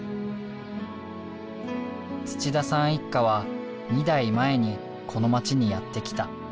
土田さん一家は２代前にこの町にやって来た。